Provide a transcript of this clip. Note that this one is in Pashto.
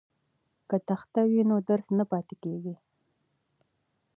که تخته وي نو درس نه پاتې کیږي.